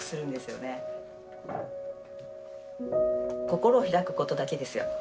心を開くことだけですよ